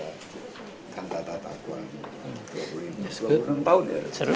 sekarang bebas loh kita sekaligus menjawab tantangan tantangan ke depan kita saat ini apa aja